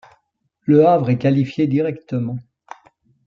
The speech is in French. Le Havre est qualifié directement.